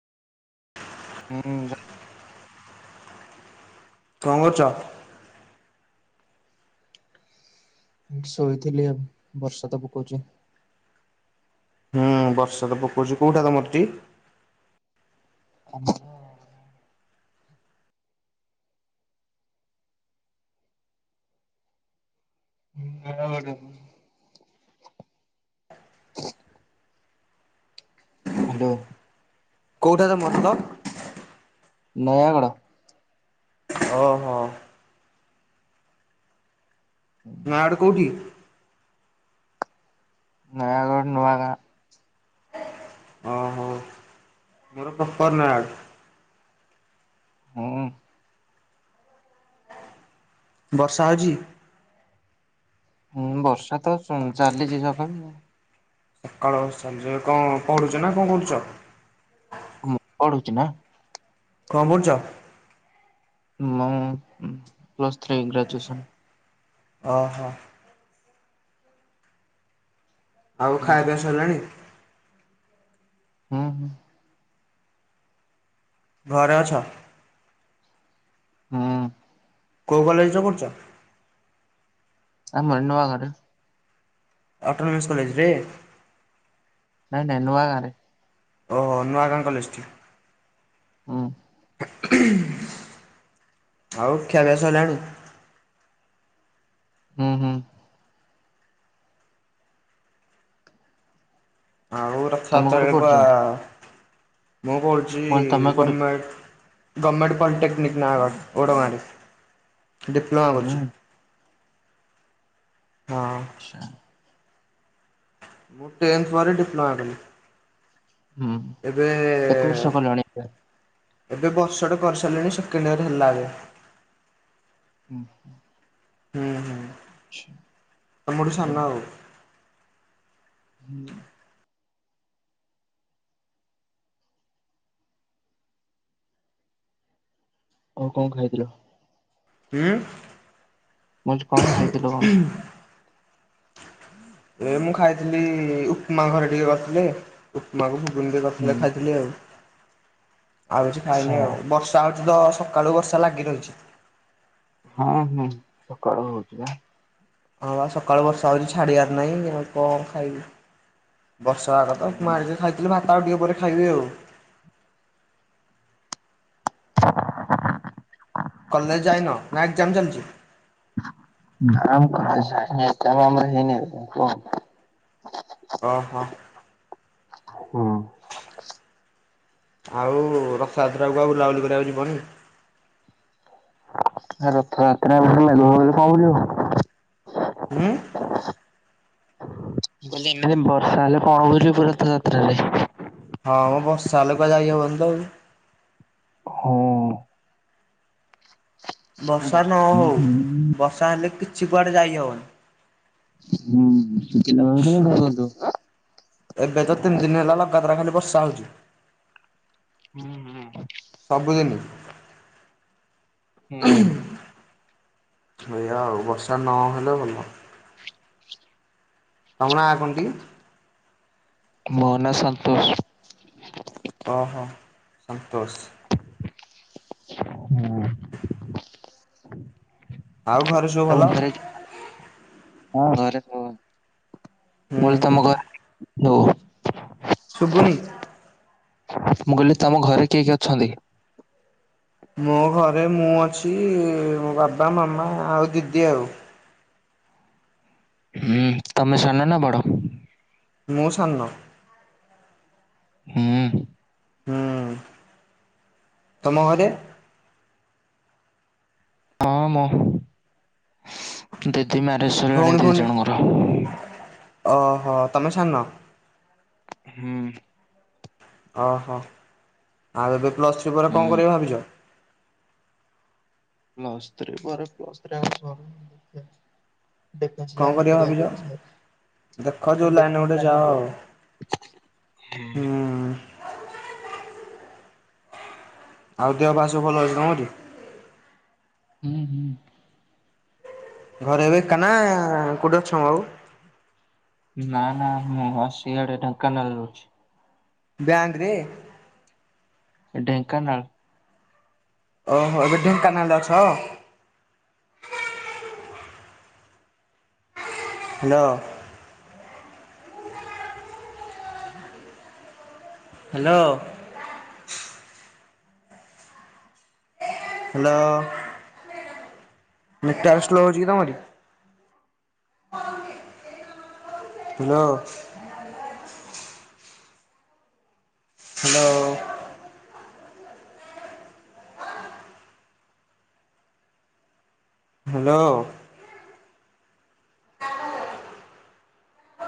ହୁଁ ଯା। କ କରୁଚ? ମୁଁ ଶୋଇଥିଲି ଆଉ ବର୍ଷା ତ ପକୋଉ ଚି। ହୁଁ ବର୍ଷା ତ ପକଉଚି କୋଉଟା ତମର ତୀ ଆମର [unintelligible] ହାଲୋ। କେଉଟା ରେ ମାତ ନୟାଗଡ଼। ଓହୋ। ନୟାଗଡ଼ କୋଉଠି? ନା ଆଉ। ନୂଆ ଗାଁ। ଓହୋ ମୋର ପ୍ରପର ନାୟକ। ହୁଁ। ବର୍ଷା ହେଉଚି? ହୁଁ ବର୍ଷା ତ ଶୁଣୁ ଚାଲିଚି ସକାଳୁ ଆଉ। ସକାଳୁ ଚାଲିଛି କଣ ପଢୁଛ ନା କଣ କରୁଛ? ମୁଁ ପଢୁଛି ନା। କଣ କରୁଛ? ମ ମୁଁ ପ୍ଲସ୍ ଥ୍ରୀ ଗ୍ରାଜୁଏସନ୍। ଅହ। ଆଉ ହୁଁ ଖାଇବା ସଇଲାଣି? ହୁଁ। ଘରେ ଅଛ? ହୁଁ। କୋଉ କଲେଜରେ କରୁଛ? ଆମର ନୂଆଘରେ। ଅଟନମସ କଲେଜରେ। ନାଇଁ ନାଇ ନୁଆ ଗାଁ ରେ। ଓହୋ ନୂଆାଗାଁ କଲେଜଠି। ହୁଁ। ଆଉ ଖିଆପିଆ ସଇଲାଣି? ହୁଁ ହୁଁ। ଆଉ ତମେ କୋଉଠି ରଥାଯାତ୍ରାରେ ପଢୁଛ? କୁଆ ମୁଁ ମୁଁ ପଢ଼ୁ କହିଲି ତମେ ଯ କୋଉଠି ଗମେଣ୍ଟ ଗମେଣ୍ଟ ପଲିଟେକ୍ନିକ ନୟାଗଡ଼ ଓଡ଼ଗାଁରେ। ଡିପ୍ଲୋମା ହୁଁ କରୁଛି। ହଁ। [unintelligible] ମୁଁ ଟେନ୍‌ଥ୍ ପରେ, ଡ଼ିପ୍ଲୋମା କଲି। ହୁଁ ଏବେ, କେତେ ବର୍ଷ କଲଣି? ଏବେ ବର୍ଷଟେ କରି ସାର୍ଲିଣି ସେକେଣ୍ଡ୍ ଇୟର୍ ହେଲା ଏବେ। [inaudible] ଓ [unintelligible] [inaudible] [inaudible] [inaudible] [unintelligible] ଏ ମୁଁ ଖାଇଥିଲି ଉପ୍ମା ଘରେ ଟିକେ କର୍ ଥିଲେ। ଉପମାକୁ ହୁଁ [unintelligible] ଆଉ କିଛି ଖାଇନି ଆଚ୍ଛା ଆଉ, ବର୍ଷା ହଉଚି ତ ସକାଳୁ ବର୍ଷା ଲାଗି ରହିଚି। ହଁ ହୁଁ, ସକାଳୁ ହଉଚି ବା। ହଁ ବା ସକାଳୁ ବର୍ଷା ହଉଚି, ଛାଡ଼ି ବାର୍ ନାଇଁ, କ'ଣ ଖାଇବି? [inaudible] କଲେଜ୍‌ ଯାଇନ ନା [inaudible] [unintelligible] [inaudible] [unintelligible] ଆଉ ରଥ ଯାତ୍ରା କୁ ଆଉ ବୁଲାବୁଲି କରିବା କୁ ଯିବନି? [unintelligible] [inaudible] [unintelligible] ହଁ, ମ ବର୍ଷା ହେଲେ ପା ଯାଇ ହବନି ତ ଆଉ। [inaudible] ବର୍ଷା ନ ହଉ, ବର୍ଷା ହେଲେ କିଛି କୁଆଡ଼େ ଯାଇ ହବ [unintelligible] ଏବେ ତ ତିନ୍‌ ଦିନ୍‌ ହେଲା ଲଗାତାର ଖାଲି ବର୍ଷା ହଉଚି। [unintelligible] ହୁଁ [unintelligible] [unintelligible] ମୋ ନାଁ ସନ୍ତୋଷ୍। ଅହ, ସନ୍ତୋଷ୍। [unintelligible] ଆଉ ଘରେ ସବୁ ଭଲ? [unintelligible] ହୁଁ ହୁଁ। [unintelligible] ଶୁବୁନି। ମୁଁ, କଇଲି ତମ ଘରେ କିଏ କିଏ ଅଛନ୍ତି? ମୋ ଘରେ ମୁଁ ଅଛି ବାବା, ମାମା ଆ ଦିଦି ଆଉ। ହୁଁ, ତମେ ସାନ ନା ବଡ଼? ମୁଁ, ସାନ। [inaudible] ହୁଁ ତମ ଘରେ। ହଁ, ମ ଦିଦି ମ୍ୟାରେଜ୍‌ ସଇଲାଣି ଜଣଙ୍କର। ଅହ, ତମେ ସାନ। ହୁଁ। ଅହ, ଆଉ ଏବେ ପ୍ଲସ୍‌ଥ୍ରୀ ପରେ ଙ୍କ ହୁଁ। କରିବ ଭାବିଚ? [unintelligible] କଣ କରିବ ଭାବିଛ? ଦେଖ ଯୋଉ ଲାଇନରେ ଗୋଟେ ଯାଅ ଆଉ [unintelligible] ହୁଁ [inaudible] ଆଉ ଦେହ ପା ସବୁ ଭଲ ଅଛି ତମଟି? ହୁଁ ହୁଁ। ଘରେ ଏବେ ଏକାନା, କେଉଁଠି ଅଛ ମ ଆଉ? ନା ନା ମୁଁ ଆସି ଆଡେ ଢେଙ୍କାନାଳରେ ଅଛି। ବ୍ୟାଙ୍କରେ? ଢେଙ୍କାନାଳ ଅହୋ ଏବେ ଢେଙ୍କାନାଳରେ ଅଛ? Hello. Hello. Hello. Network slow ହଉଛି କି ତମରି? ହାଲୋ। ହ୍ୟାଲୋ। ହ୍ୟାଲୋ।